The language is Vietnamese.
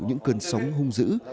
những cơn sóng hung dữ